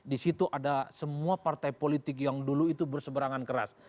di situ ada semua partai politik yang dulu itu berseberangan keras